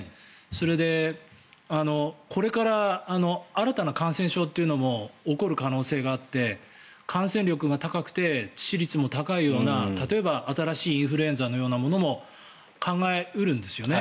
それで、これから新たな感染症というのも起こる可能性があって感染力が高くて致死率も高いような例えば、新しいインフルエンザのようなものも考え得るんですよね。